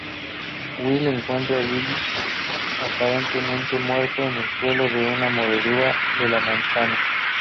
Will encuentra Lily aparentemente muerto en el suelo de una mordedura de la manzana.